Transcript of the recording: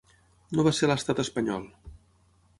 No va ser l’estat espanyol.